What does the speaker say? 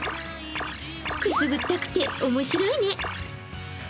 くすぐったくて面白いね。